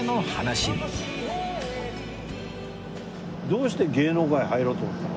どうして芸能界入ろうと思ったの？